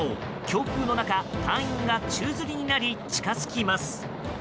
強風の中、隊員が宙づりになり近づきます。